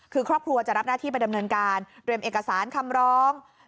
คือครอบครัวจะรับหน้าที่ไปดำเนินการเตรียมเอกสารคำร้อง